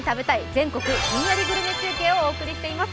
全国ひんやりグルメ中継」をお送りしています。